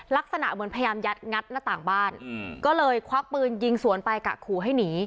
ลักษณะเหมือนพยายามยัดงัดหน้าต่างบ้านก็เลยควักปืนยิงสวนไปกะขู่ให้หนี